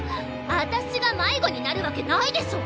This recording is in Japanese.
あたしが迷子になるわけないでしょ？